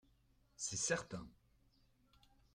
C’est certain